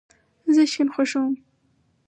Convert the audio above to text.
زه شین خوښوم